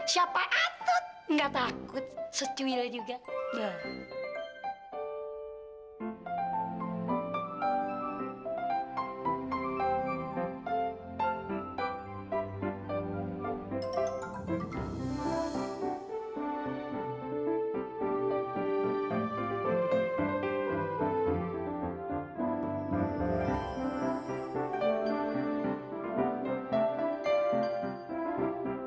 sangat prostu bahwa saya penyusahan bila bicara tentang media tapi produk video ini perk instead robik dan ada alte natur